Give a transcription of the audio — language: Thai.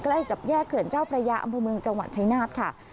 ใกล้กับแยกเขื่อนเจ้าพระยาอำเภอเมืองจังหวัดชายนาฏค่ะ